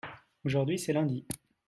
aujourd'hui c'est lundi.